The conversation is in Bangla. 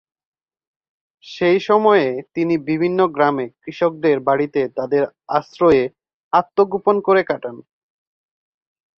সেই সময়ে তিনি বিভিন্ন গ্রামে কৃষকদের বাড়িতে তাদের আশ্রয়ে আত্মগোপন করে কাটান।